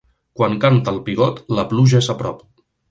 Quan canta el pigot la pluja és a prop.